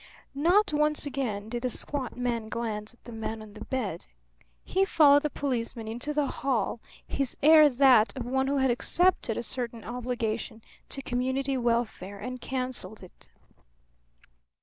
Not once again did the squat man glance at the man on the bed. He followed the policeman into the hall, his air that of one who had accepted a certain obligation to community welfare and cancelled it.